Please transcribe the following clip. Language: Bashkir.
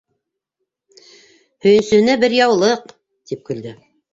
— Һөйөнсөһөнә бер яулыҡ! — тип көлдө.